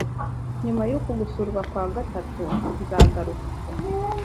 Nyuma y’uku gusurwa kwa gatatu nzagaruka